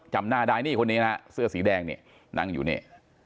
จำหน้าได้นี่คนนี้นะฮะเสื้อสีแดงนี่นั่งอยู่นี่